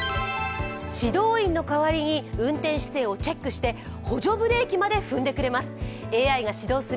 指導員の代わりに運転姿勢をチェックして、補助ブレーキまで踏んでくれます。